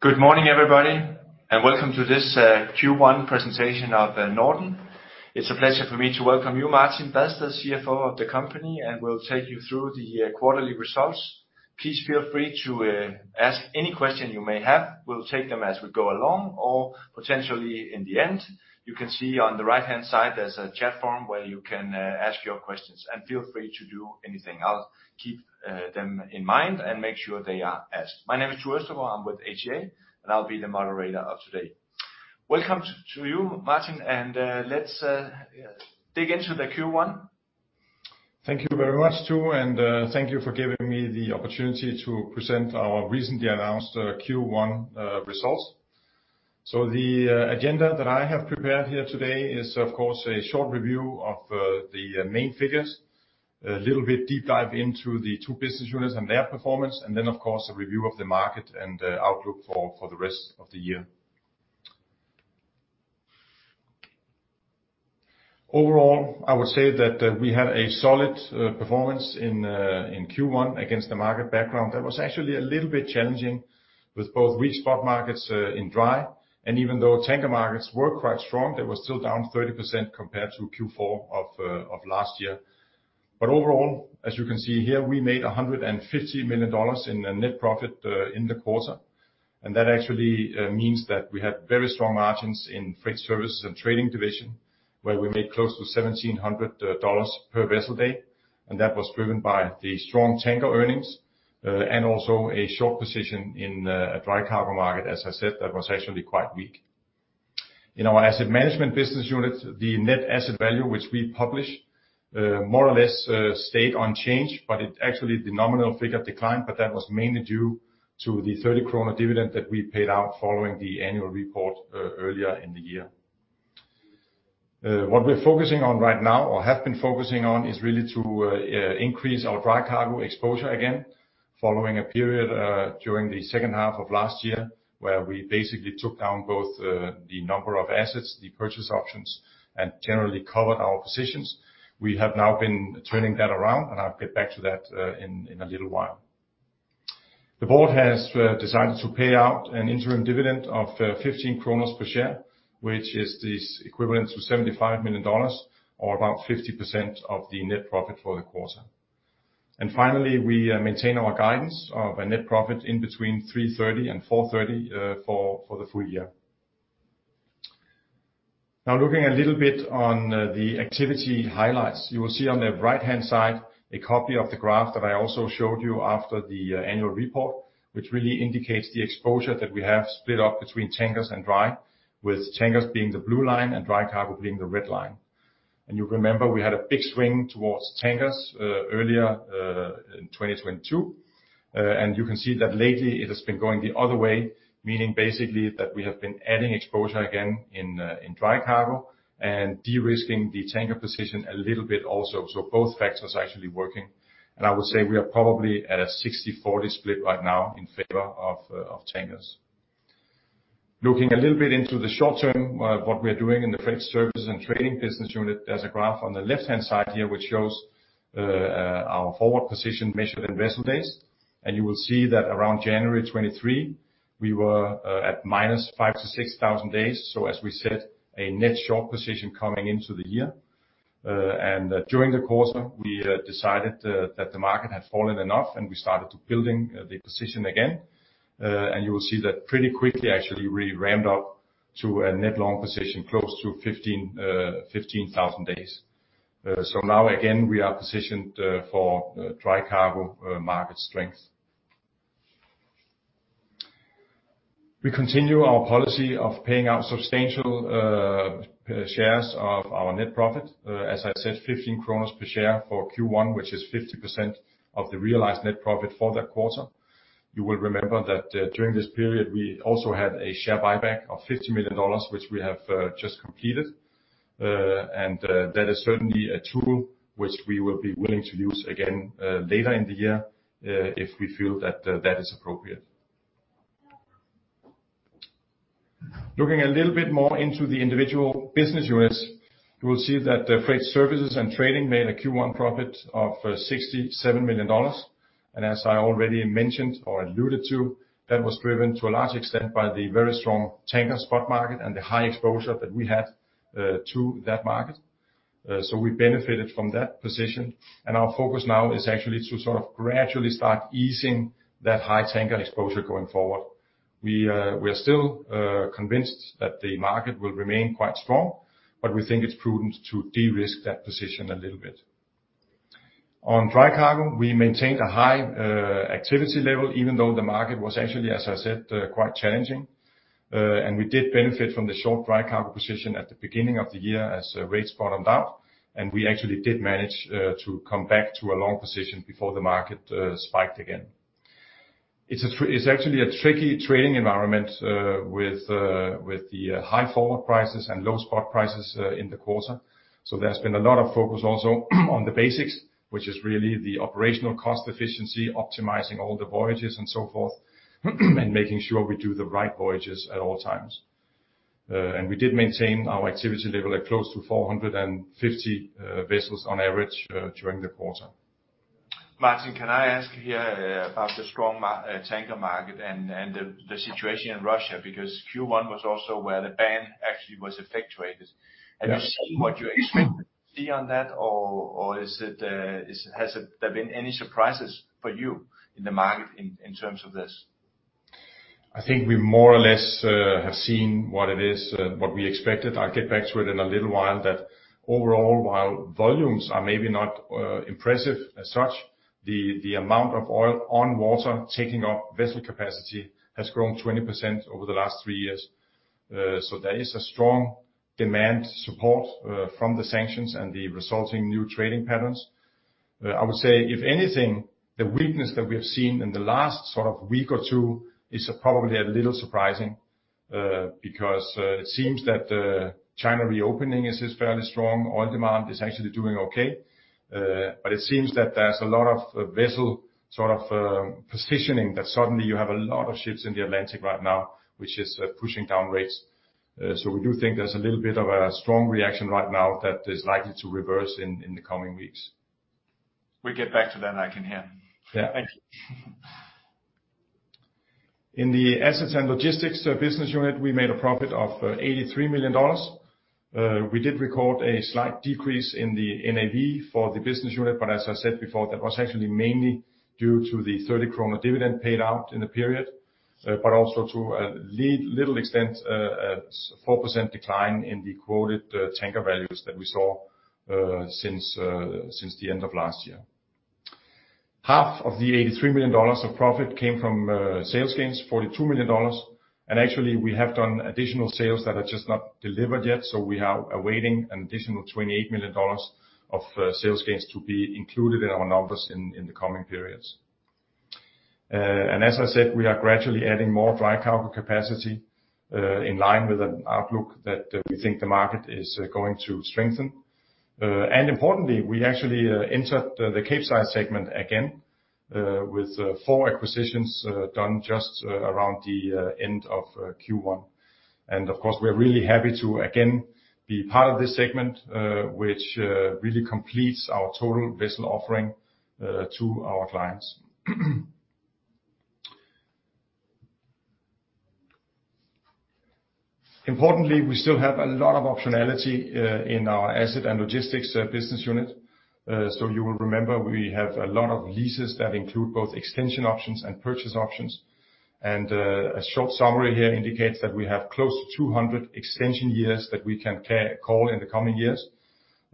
Good morning, everybody, welcome to this Q1 presentation of NORDEN. It's a pleasure for me to welcome you, Martin Badsted, CFO of the company, and we'll take you through the quarterly results. Please feel free to ask any question you may have. We'll take them as we go along, or potentially in the end. You can see on the right-hand side there's a chat forum where you can ask your questions, and feel free to do anything. I'll keep them in mind and make sure they are asked. My name is Tue Østergaard, I'm with HCA, and I'll be the moderator of today. Welcome to you, Martin, let's dig into the Q1. Thank you very much, Tue, and thank you for giving me the opportunity to present our recently announced Q1 results. The agenda that I have prepared here today is, of course, a short review of the main figures, a little bit deep dive into the two business units and their performance, and then, of course, a review of the market and outlook for the rest of the year. I would say that we had a solid performance in Q1 against the market background. That was actually a little bit challenging with both weak spot markets in dry, and even though tanker markets were quite strong, they were still down 30% compared to Q4 of last year. Overall, as you can see here, we made $150 million in net profit in the quarter, and that actually means that we had very strong margins in Freight Services & Trading division, where we made close to $1,700 per vessel day, and that was driven by the strong tanker earnings, and also a short position in a dry cargo market, as I said, that was actually quite weak. In our Asset Management business unit, the net asset value, which we publish, more or less, stayed unchanged, it actually the nominal figure declined, that was mainly due to the 30 kroner dividend that we paid out following the annual report earlier in the year. What we're focusing on right now, or have been focusing on, is really to increase our dry cargo exposure again, following a period during the second half of last year, where we basically took down both the number of assets, the purchase options, and generally covered our positions. We have now been turning that around, and I'll get back to that in a little while. The board has decided to pay out an interim dividend of 15 per share, which is this equivalent to $75 million or about 50% of the net profit for the quarter. Finally, we maintain our guidance of a net profit in between $330 million and $430 million for the full year. Now, looking a little bit on the activity highlights. You will see on the right-hand side a copy of the graph that I also showed you after the annual report, which really indicates the exposure that we have split up between tankers and dry, with tankers being the blue line and dry cargo being the red line. You remember we had a big swing towards tankers earlier in 2022, and you can see that lately it has been going the other way, meaning basically that we have been adding exposure again in dry cargo and de-risking the tanker position a little bit also. Both factors are actually working, and I would say we are probably at a 60-40 split right now in favor of tankers. Looking a little bit into the short term, what we are doing in the Freight Services & Trading business unit, there's a graph on the left-hand side here which shows our forward position measured in vessel days, and you will see that around January 2023, we were at -5,000 to -6,000 days. As we said, a net short position coming into the year. During the quarter, we decided that the market had fallen enough, and we started building the position again. You will see that pretty quickly, actually, we ramped up to a net long position close to 15,000 days. Now again, we are positioned for dry cargo market strength. We continue our policy of paying out substantial shares of our net profit. As I said, 15 kroner per share for Q1, which is 50% of the realized net profit for that quarter. You will remember that, during this period, we also had a share buyback of $50 million, which we have just completed. That is certainly a tool which we will be willing to use again later in the year, if we feel that that is appropriate. Looking a little bit more into the individual business units, you will see that the Freight Services & Trading made a Q1 profit of $67 million. As I already mentioned or alluded to, that was driven to a large extent by the very strong tanker spot market and the high exposure that we had to that market. We benefited from that position, and our focus now is actually to sort of gradually start easing that high tanker exposure going forward. We are still convinced that the market will remain quite strong, but we think it's prudent to de-risk that position a little bit. On dry cargo, we maintained a high activity level, even though the market was actually, as I said, quite challenging. We did benefit from the short dry cargo position at the beginning of the year as rates bottomed out, and we actually did manage to come back to a long position before the market spiked again. It's actually a tricky trading environment, with the high forward prices and low spot prices in the quarter. There's been a lot of focus also on the basics, which is really the operational cost efficiency, optimizing all the voyages and so forth, and making sure we do the right voyages at all times. We did maintain our activity level at close to 450 vessels on average during the quarter. Martin, can I ask you here about the strong tanker market and the situation in Russia, because Q1 was also where the ban actually was effectuated? Yeah. Have you seen what you expected to see on that, or is it, has there been any surprises for you in the market in terms of this? I think we more or less have seen what it is, what we expected. I'll get back to it in a little while, that overall, while volumes are maybe not impressive as such, the amount of oil on water taking up vessel capacity has grown 20% over the last three years. There is a strong demand support from the sanctions and the resulting new trading patterns. I would say, if anything, the weakness that we have seen in the last sort of week or two is probably a little surprising, because it seems that China reopening is fairly strong. Oil demand is actually doing okay. It seems that there's a lot of vessel sort of positioning that suddenly you have a lot of ships in the Atlantic right now, which is pushing down rates. We do think there's a little bit of a strong reaction right now that is likely to reverse in the coming weeks. We get back to that, I can hear. Yeah. Thank you. In the Assets & Logistics business unit, we made a profit of $83 million. We did record a slight decrease in the NAV for the business unit, but as I said before, that was actually mainly due to the 30 kroner dividend paid out in the period, but also to a little extent, a 4% decline in the quoted tanker values that we saw since the end of last year. Half of the $83 million of profit came from sales gains, $42 million. Actually, we have done additional sales that are just not delivered yet, so we are awaiting an additional $28 million of sales gains to be included in our numbers in the coming periods. As I said, we are gradually adding more dry cargo capacity, in line with an outlook that we think the market is going to strengthen. Importantly, we actually entered the Capesize segment again, with four acquisitions, done just around the end of Q1. Of course, we're really happy to again be part of this segment, which really completes our total vessel offering, to our clients. Importantly, we still have a lot of optionality, in our Assets & Logistics business unit. You will remember we have a lot of leases that include both extension options and purchase options. A short summary here indicates that we have close to 200 extension years that we can call in the coming years.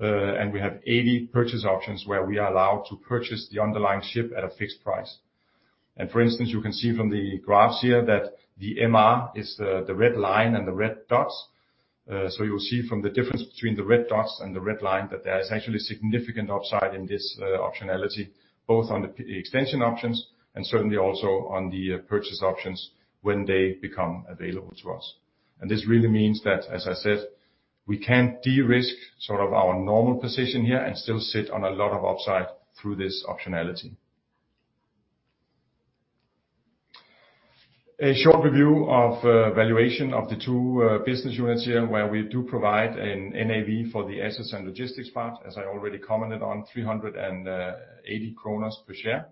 We have 80 purchase options where we are allowed to purchase the underlying ship at a fixed price. For instance, you can see from the graphs here that the MR is the red line and the red dots. You'll see from the difference between the red dots and the red line that there is actually significant upside in this optionality, both on the extension options and certainly also on the purchase options when they become available to us. This really means that, as I said, we can de-risk sort of our normal position here and still sit on a lot of upside through this optionality. A short review of valuation of the two business units here, where we do provide an NAV for the Assets & Logistics part, as I already commented on, 380 kroner per share.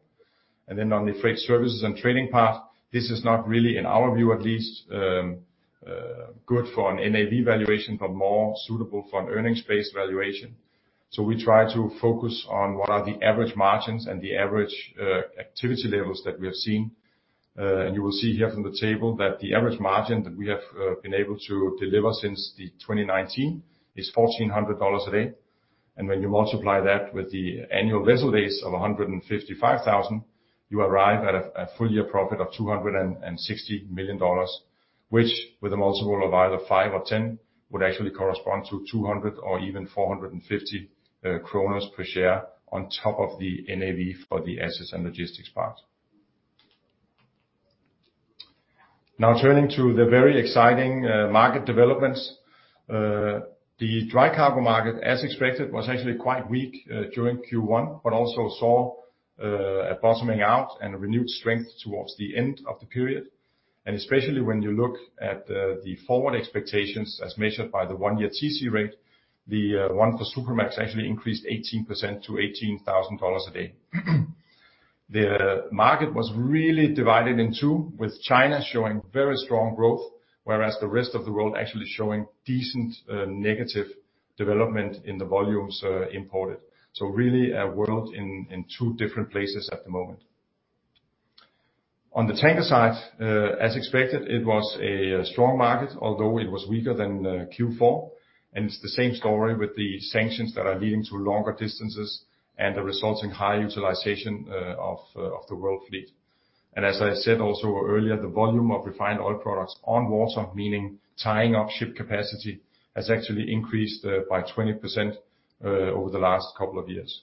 On the Freight Services & Trading part, this is not really, in our view at least, good for an NAV valuation, but more suitable for an earnings-based valuation. We try to focus on what are the average margins and the average activity levels that we have seen. You will see here from the table that the average margin that we have been able to deliver since the 2019 is $1,400 a day. When you multiply that with the annual vessel days of 155,000, you arrive at a full year profit of $260 million, which with a multiple of either 5 or 10, would actually correspond to 200 or even 450 kroner per share on top of the NAV for the Assets & Logistics part. Now turning to the very exciting market developments. The dry cargo market, as expected, was actually quite weak during Q1, but also saw a bottoming out and a renewed strength towards the end of the period. Especially when you look at the forward expectations as measured by the one-year TC rate, the one for Supramax actually increased 18% to $18,000 a day. The market was really divided in two, with China showing very strong growth, whereas the rest of the world actually showing decent negative development in the volumes imported. Really a world in two different places at the moment. On the tanker side, as expected, it was a strong market, although it was weaker than Q4. It's the same story with the sanctions that are leading to longer distances and the resulting high utilization of the world fleet. As I said also earlier, the volume of refined oil products on water, meaning tying up ship capacity, has actually increased by 20% over the last couple of years.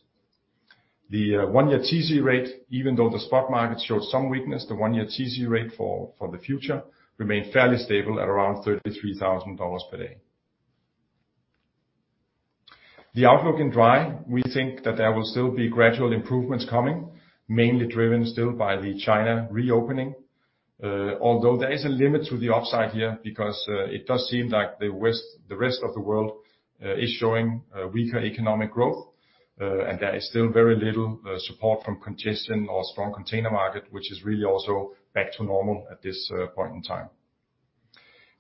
The one-year TC rate, even though the spot market showed some weakness, the one-year TC rate for the future remained fairly stable at around $33,000 per day. The outlook in dry, we think that there will still be gradual improvements coming, mainly driven still by the China reopening. a limit to the upside here because it does seem like the rest of the world is showing weaker economic growth, and there is still very little support from congestion or strong container market, which is really also back to normal at this point in time.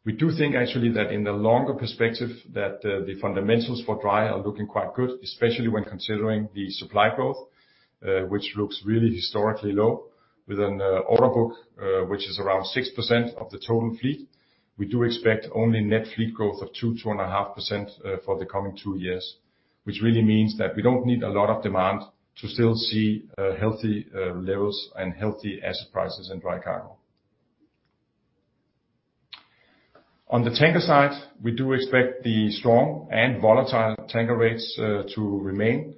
We do think actually that in the longer perspective, the fundamentals for dry are looking quite good, especially when considering the supply growth, which looks really historically low with an order book which is around 6% of the total fleet. We do expect only net fleet growth of 2-2.5% for the coming two years, which really means that we don't need a lot of demand to still see healthy levels and healthy asset prices in dry cargo. On the tanker side, we do expect the strong and volatile tanker rates to remain.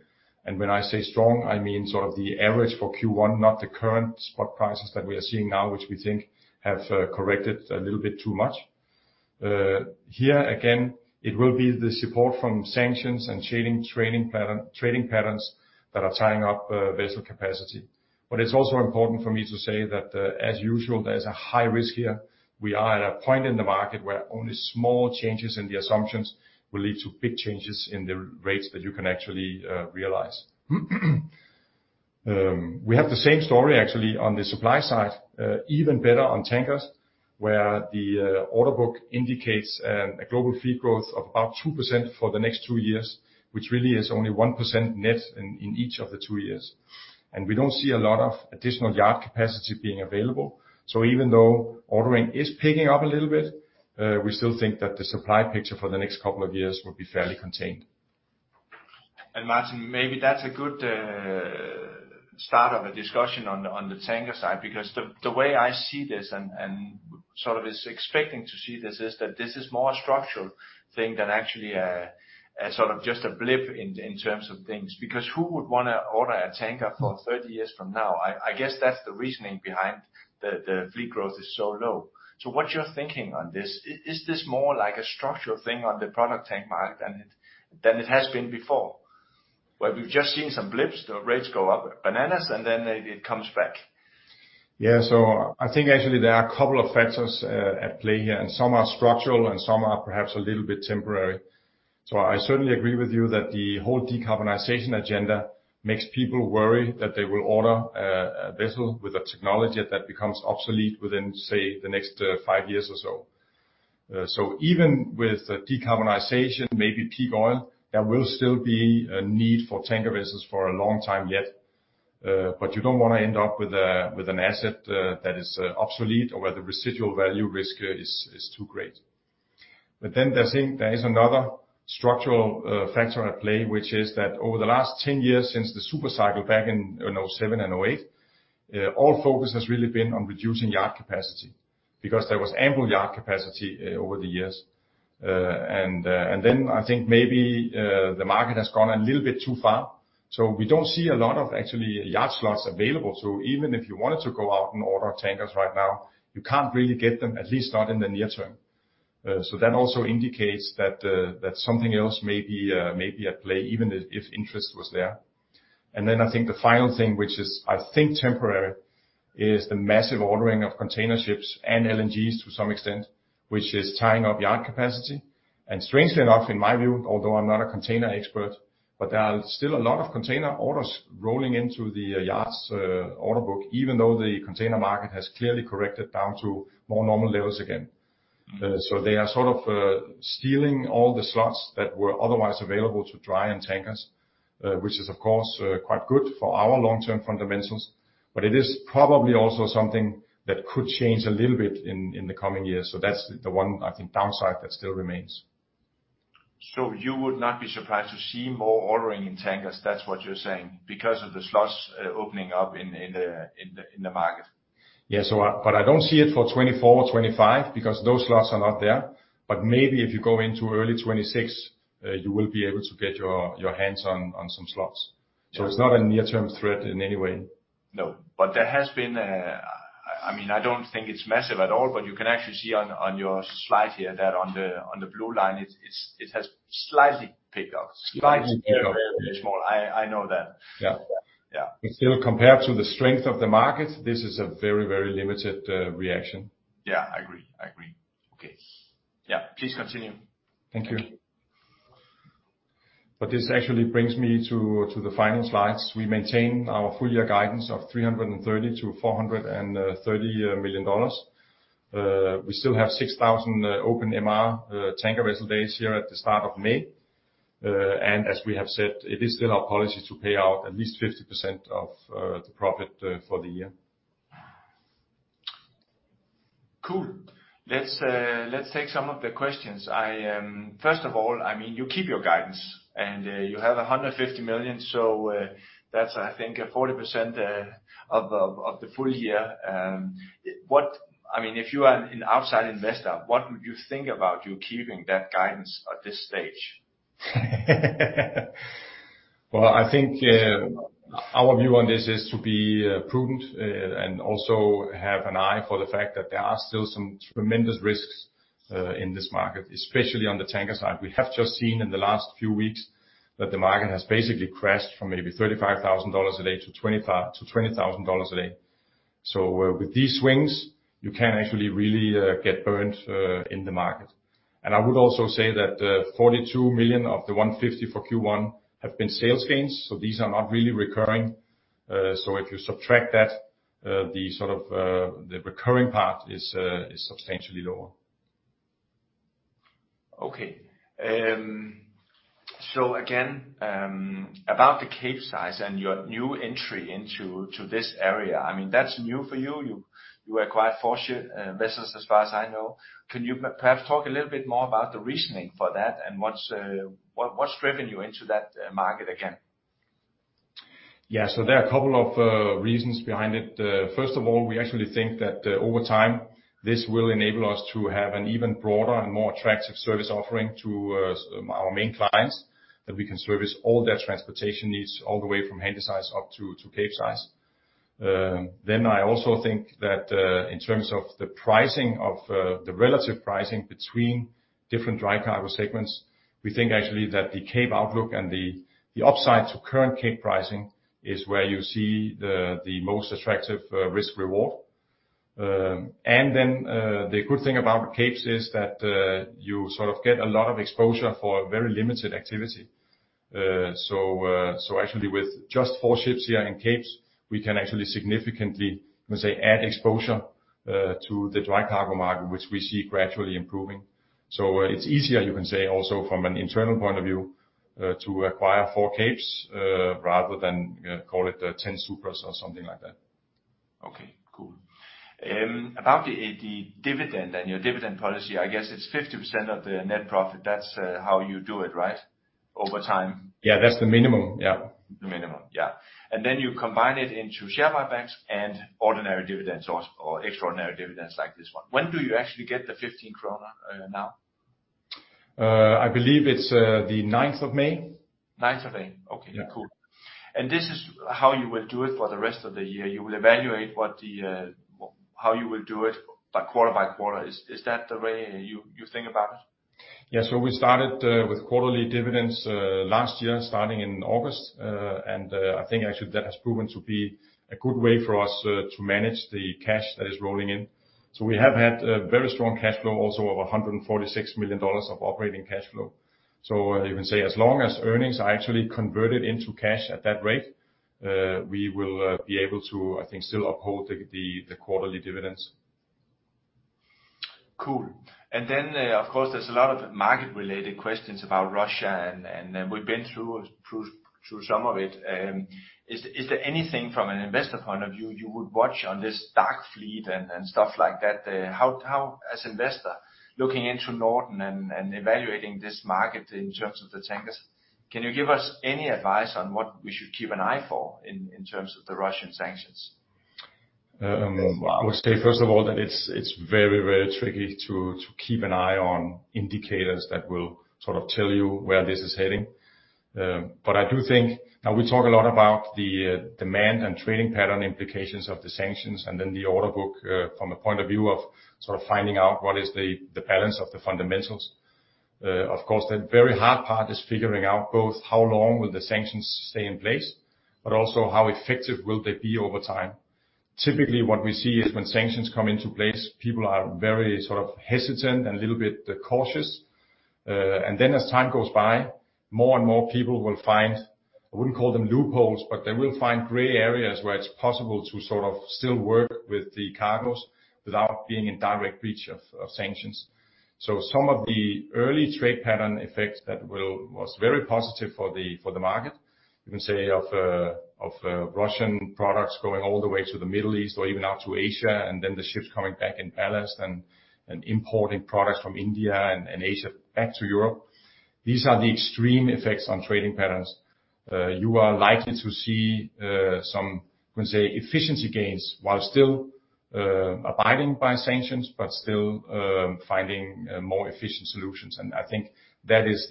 When I say strong, I mean sort of the average for Q1, not the current spot prices that we are seeing now, which we think have corrected a little bit too much. Here again, it will be the support from sanctions and changing trading patterns that are tying up vessel capacity. It's also important for me to say that, as usual, there's a high risk here. We are at a point in the market where only small changes in the assumptions will lead to big changes in the rates that you can actually realize. We have the same story actually on the supply side, even better on tankers, where the order book indicates a global fleet growth of about 2% for the next two years, which really is only 1% net in each of the two years. We don't see a lot of additional yard capacity being available. Even though ordering is picking up a little bit, we still think that the supply picture for the next couple of years will be fairly contained. Martin, maybe that's a good start of a discussion on the tanker side, because the way I see this and sort of is expecting to see this, is that this is more a structural thing than actually a sort of just a blip in terms of things. Who would wanna order a tanker for 30 years from now? I guess that's the reasoning behind the fleet growth is so low. What's your thinking on this? Is this more like a structural thing on the product tank market than it has been before? Where we've just seen some blips, the rates go up bananas, and then it comes back. Yeah. I think actually there are a couple of factors at play here, and some are structural and some are perhaps a little bit temporary. I certainly agree with you that the whole decarbonization agenda makes people worry that they will order a vessel with a technology that becomes obsolete within, say, the next five years or so. Even with decarbonization, maybe peak oil, there will still be a need for tanker vessels for a long time yet. You don't wanna end up with an asset that is obsolete or where the residual value risk is too great. I think there is another structural factor at play, which is that over the last 10 years since the super cycle back in 2007 and 2008, all focus has really been on reducing yard capacity over the years. Then I think maybe the market has gone a little bit too far. We don't see a lot of actually yard slots available. Even if you wanted to go out and order tankers right now, you can't really get them, at least not in the near term. That also indicates that something else may be at play even if interest was there. I think the final thing, which is I think temporary, is the massive ordering of container ships and LNGs to some extent, which is tying up yard capacity. Strangely enough, in my view, although I'm not a container expert, but there are still a lot of container orders rolling into the yards' order book, even though the container market has clearly corrected down to more normal levels again. They are sort of stealing all the slots that were otherwise available to dry and tankers, which is of course, quite good for our long-term fundamentals, but it is probably also something that could change a little bit in the coming years. That's the one, I think, downside that still remains. You would not be surprised to see more ordering in tankers, that's what you're saying, because of the slots, opening up in the market? I don't see it for 2024 or 2025 because those slots are not there. Maybe if you go into early 2026, you will be able to get your hands on some slots. It's not a near-term threat in any way. No. I mean, I don't think it's massive at all, but you can actually see on your slide here that on the blue line, it has slightly picked up. Slightly picked up. Very small. I know that. Yeah. Yeah. Still, compared to the strength of the market, this is a very, very limited, reaction. Yeah. I agree. I agree. Okay. Yeah. Please continue. Thank you. This actually brings me to the final slides. We maintain our full year guidance of $330 million-$430 million. We still have 6,000 open MR tanker vessel days here at the start of May. As we have said, it is still our policy to pay out at least 50% of the profit for the year. Cool. Let's take some of the questions. First of all, I mean, you keep your guidance and you have $150 million, so that's I think a 40% of the full year. I mean, if you are an outside investor, what would you think about you keeping that guidance at this stage? Well, I think, our view on this is to be prudent, and also have an eye for the fact that there are still some tremendous risks in this market, especially on the tanker side. We have just seen in the last few weeks that the market has basically crashed from maybe $35,000 a day to $20,000 a day. With these swings, you can actually really get burned in the market. I would also say that, $42 million of the $150 for Q1 have been sales gains, so these are not really recurring. If you subtract that, the sort of, the recurring part is substantially lower. Okay. Again, about the Capesize and your new entry into this area, I mean, that's new for you. You acquired four ship vessels, as far as I know. Can you perhaps talk a little bit more about the reasoning for that, and what's driven you into that market again? Yeah. There are a couple of reasons behind it. First of all, we actually think that over time, this will enable us to have an even broader and more attractive service offering to our main clients, that we can service all their transportation needs all the way from Handysize up to Capesize. I also think that in terms of the pricing of the relative pricing between different dry cargo segments, we think actually that the Cape outlook and the upside to current Cape pricing is where you see the most attractive risk reward. The good thing about Capes is that you sort of get a lot of exposure for a very limited activity. Actually with just four ships here in Capes, we can actually significantly, let's say, add exposure to the dry cargo market, which we see gradually improving. It's easier, you can say also from an internal point of view to acquire four Capes rather than call it 10 Supras or something like that. Okay. Cool. about the dividend and your dividend policy, I guess it's 50% of the net profit. That's how you do it, right? Over time. Yeah. That's the minimum. Yeah. The minimum. Yeah. Then you combine it into share buybacks and ordinary dividends or extraordinary dividends like this one. When do you actually get the 15 kroner now? I believe it's the ninth of May. Ninth of May. Okay. Yeah. Cool. This is how you will do it for the rest of the year. You will evaluate what the how you will do it by quarter by quarter. Is that the way you think about it? Yeah. We started, with quarterly dividends, last year, starting in August. I think actually that has proven to be a good way for us, to manage the cash that is rolling in. We have had a very strong cash flow also of $146 million of operating cash flow. You can say as long as earnings are actually converted into cash at that rate, we will, be able to, I think, still uphold the, the quarterly dividends. Cool. Of course, there's a lot of market related questions about Russia and we've been through some of it. Is there anything from an investor point of view you would watch on this dark fleet and stuff like that? How as investor looking into Norden and evaluating this market in terms of the tankers, can you give us any advice on what we should keep an eye for in terms of the Russian sanctions? I would say first of all, that it's very, very tricky to keep an eye on indicators that will sort of tell you where this is heading. I do think Now we talk a lot about the demand and trading pattern implications of the sanctions, and then the order book from a point of view of sort of finding out what is the balance of the fundamentals. Of course, the very hard part is figuring out both how long will the sanctions stay in place, also how effective will they be over time. Typically, what we see is when sanctions come into place, people are very sort of hesitant and a little bit cautious. As time goes by, more and more people will find, I wouldn't call them loopholes, but they will find gray areas where it's possible to sort of still work with the cargoes without being in direct breach of sanctions. Some of the early trade pattern effects that was very positive for the market, you can say of Russian products going all the way to the Middle East or even out to Asia, then the ships coming back in ballast importing products from India and Asia back to Europe. These are the extreme effects on trading patterns. You are likely to see some, you can say, efficiency gains while still abiding by sanctions, but still finding more efficient solutions. I think that is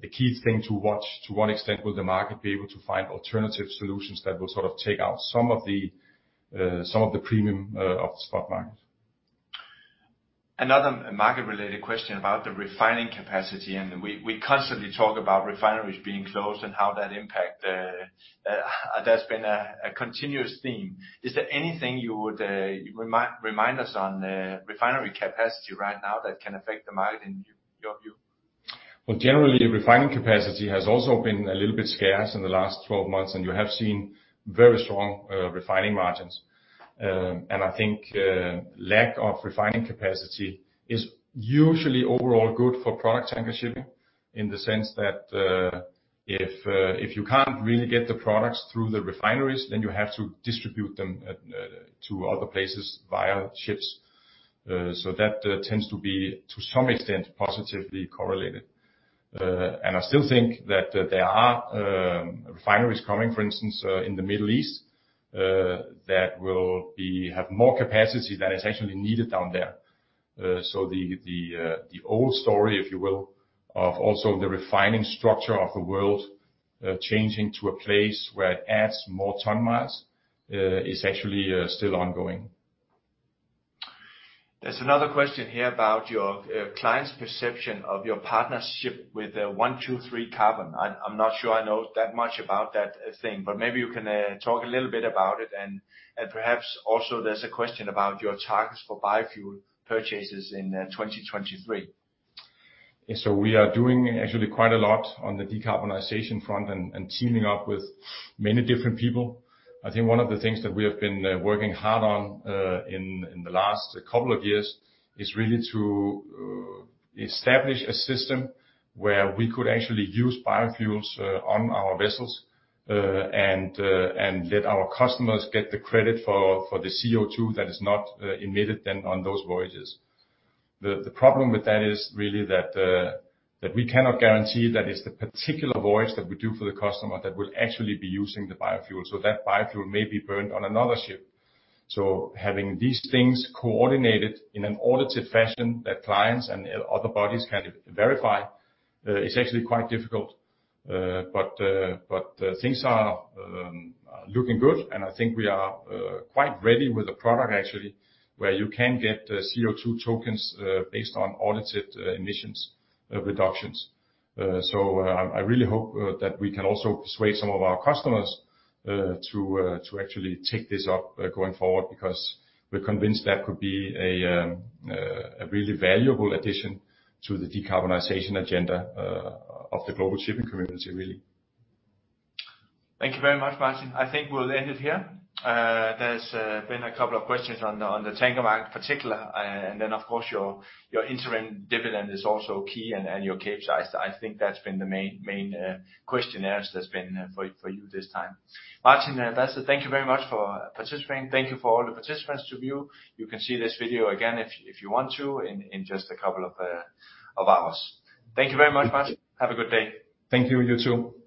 the key thing to watch. To what extent will the market be able to find alternative solutions that will sort of take out some of the, some of the premium, of the spot market. Another market related question about the refining capacity, we constantly talk about refineries being closed and how that impact. That's been a continuous theme. Is there anything you would remind us on refinery capacity right now that can affect the market in your view? Generally, refining capacity has also been a little bit scarce in the last 12 months, and you have seen very strong refining margins. I think lack of refining capacity is usually overall good for product tanker shipping in the sense that if you can't really get the products through the refineries, then you have to distribute them to other places via ships. That tends to be, to some extent, positively correlated. I still think that there are refineries coming, for instance, in the Middle East. That will be, have more capacity than is actually needed down there. The old story, if you will, of also the refining structure of the world changing to a place where it adds more ton miles is actually still ongoing. There's another question here about your clients' perception of your partnership with 123Carbon. I'm not sure I know that much about that thing, but maybe you can talk a little bit about it and perhaps also there's a question about your targets for biofuel purchases in 2023. Yeah. We are doing actually quite a lot on the decarbonization front and teaming up with many different people. I think one of the things that we have been working hard on in the last couple of years is really to establish a system where we could actually use biofuels on our vessels and let our customers get the credit for the CO2 that is not emitted then on those voyages. The problem with that is really that we cannot guarantee that it's the particular voyage that we do for the customer that will actually be using the biofuel, so that biofuel may be burned on another ship. Having these things coordinated in an audited fashion that clients and other bodies can verify, is actually quite difficult. Things are looking good, and I think we are quite ready with a product actually, where you can get CO2 tokens, based on audited emissions reductions. I really hope that we can also persuade some of our customers to actually take this up going forward, because we're convinced that could be a really valuable addition to the decarbonization agenda of the global shipping community, really. Thank you very much, Martin. I think we'll end it here. There's been a couple of questions on the tanker market particular. Of course, your interim dividend is also key and your Capesize. I think that's been the main questionnaires that's been for you this time. Martin and Badsted, thank you very much for participating. Thank you for all the participants to view. You can see this video again if you want to in just a couple of hours. Thank you very much, Martin. Have a good day. Thank you. You too.